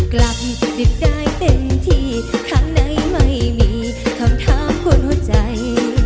กลับดึกได้เต็มที่ทางไหนไม่มีคำถามหัวใจ